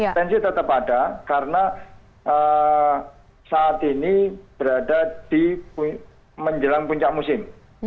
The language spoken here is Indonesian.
tensi tetap ada karena saat ini berada di menjelang puncak musim